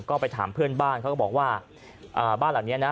ก็ไปถามเพื่อนบ้านเขาก็บอกว่าอ่าบ้านหลังเนี้ยนะ